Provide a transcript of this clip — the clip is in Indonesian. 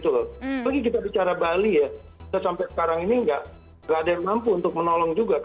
apalagi kita bicara bali ya kita sampai sekarang ini nggak ada yang mampu untuk menolong juga